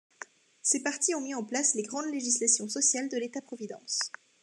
Ces partis ont mis en place les grandes législations sociales de l’État providence.